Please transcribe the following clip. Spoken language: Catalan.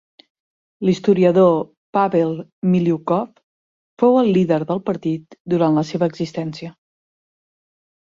L'historiador Pavel Miliukov fou el líder del partit durant la seva existència.